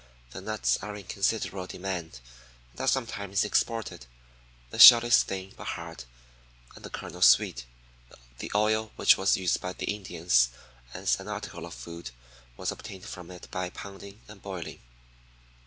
The nuts are in considerable demand and are sometimes exported. The shell is thin, but hard, and the kernel sweet. The oil, which was used by the Indians as an article of food, was obtained from it by pounding and boiling.